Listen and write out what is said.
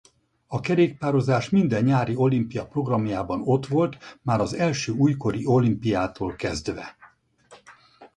A kerékpározás minden nyári olimpia programjában ott volt már az első újkori olimpiától kezdve.